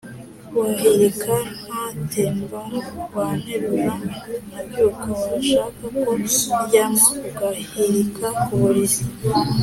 Wahirika ngatembaWanterura nkabyukaWashaka ko ndyamaUgahirika ku buriri